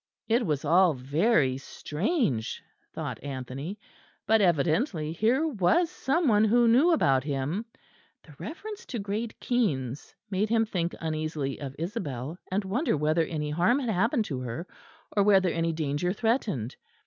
It was all very strange, thought Anthony, but evidently here was some one who knew about him; the reference to Great Keynes made him think uneasily of Isabel and wonder whether any harm had happened to her, or whether any danger threatened.